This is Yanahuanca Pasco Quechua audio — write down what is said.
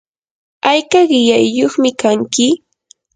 ¿ayka qillayyuqmi kanki?